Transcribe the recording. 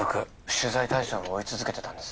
取材対象を追い続けてたんです